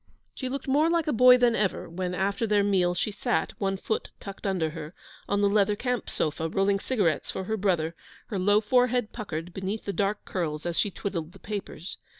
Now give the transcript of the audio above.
She looked more like a boy than ever when, after their meal, she sat, one foot tucked under her, on the leather camp sofa, rolling cigarettes for her brother, her low forehead puckered beneath the dark curls as she twiddled the papers.